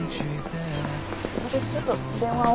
私ちょっと電話を。